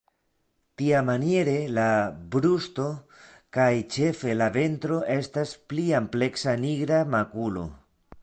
Tiamaniere la brusto kaj ĉefe la ventro estas pli ampleksa nigra makulo.